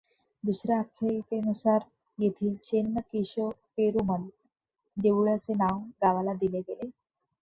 दुसऱ्या आख्यायिकेनुसार येथील चेन्न केशव पेरुमल देउळाचे नाव गावाला दिले गेले.